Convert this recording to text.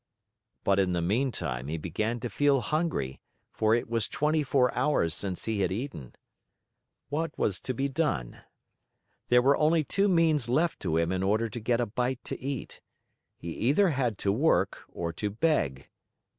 But in the meantime, he began to feel hungry, for it was twenty four hours since he had eaten. What was to be done? There were only two means left to him in order to get a bite to eat. He had either to work or to beg.